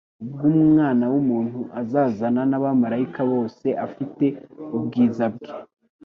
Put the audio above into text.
"Ubwo Umwana w'umuntu azazana n'abamaraika bose afite ubwiza bwe,